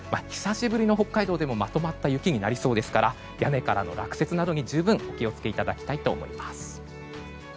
久しぶりの北海道でもまとまった雪になりそうですから屋根からの落雪などに十分お気を付けいただきたいと思います。